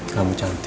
kamu cantik begitu